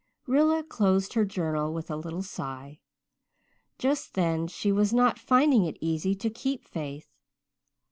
'" Rilla closed her journal with a little sigh. Just then she was not finding it easy to keep faith.